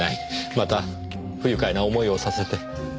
また不愉快な思いをさせて。